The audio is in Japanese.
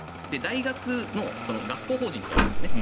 大学の学校法人とかあるわけですね。